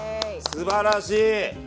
すばらしい！